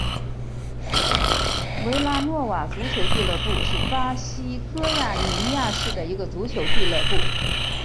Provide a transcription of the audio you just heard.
维拉诺瓦足球俱乐部是巴西戈亚尼亚市的一个足球俱乐部。